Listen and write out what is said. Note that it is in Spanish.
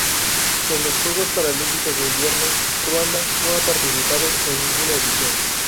En los Juegos Paralímpicos de Invierno Ruanda no ha participado en ninguna edición.